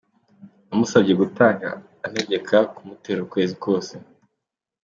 Namusabye gatanya antegeka kumuterura ukwezi kose